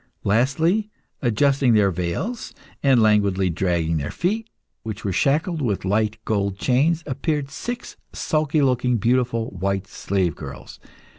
Lastly, adjusting their veils and languidly dragging their feet, which were shackled with light gold chains, appeared six sulky looking, beautiful white slave girls.